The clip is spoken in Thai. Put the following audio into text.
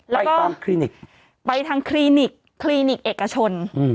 แล้วก็ไปทางคลินิกคลินิกเอกชน